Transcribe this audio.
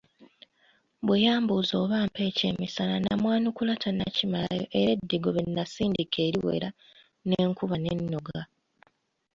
Bwe yambuuza oba ampe ekyemisana namwanukula tannakimalayo era eddigobe nasindika eriwera ne nkuba n'ennoga.